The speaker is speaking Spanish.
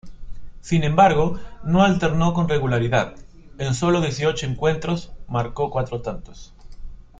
Sin embargo, no alternó con regularidad: en solo dieciocho encuentros, marcó cuatro tantos.